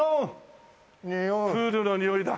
プールのにおいだ。